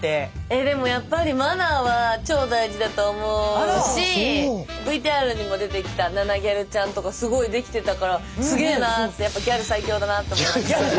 えでもやっぱりマナーは超大事だと思うしＶＴＲにも出てきたナナぎゃるちゃんとかすごいできてたからすげーなーってギャル最強。